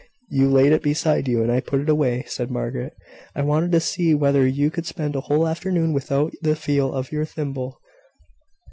"You laid it beside you, and I put it away," said Margaret. "I wanted to see whether you could spend a whole afternoon without the feel of your thimble.